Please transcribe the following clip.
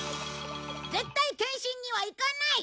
絶対健診には行かない！